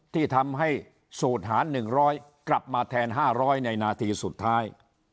ที่ทำให้สูตรหาร๑๐๐กลับมาแทน๕๐๐ในนาทีสุดท้าย